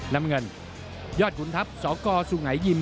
น้ำเงินยอดขุนทัพสกสุงัยยิม